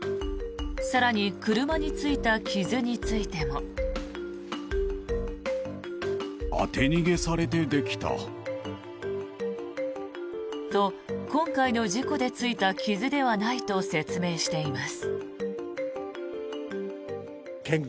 更に車についた傷についても。と、今回の事故でついた傷ではないと説明しています。